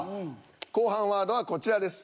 後半ワードはこちらです。